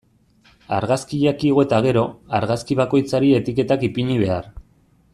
Argazkiak igo eta gero, argazki bakoitzari etiketak ipini behar.